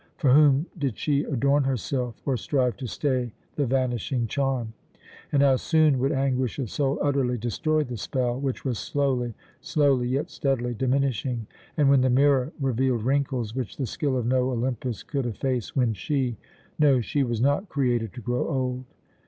For whom did she adorn herself or strive to stay the vanishing charm? And how soon would anguish of soul utterly destroy the spell, which was slowly, slowly, yet steadily diminishing, and, when the mirror revealed wrinkles which the skill of no Olympus could efface, when she No, she was not created to grow old!